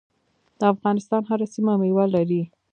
د افغانستان هره سیمه میوه لري.